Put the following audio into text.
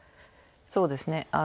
そうですね。